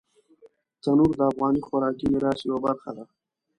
تنور د افغاني خوراکي میراث یوه برخه ده